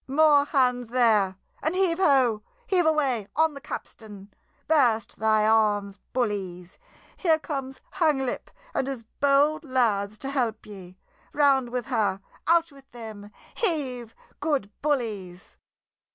"More hands there! And heave, ho, heave away on the capstan! Burst thy arms, bullies! Here comes Hanglip and his bold lads to help ye! Round with her! Out with them! Heave, good bullies!"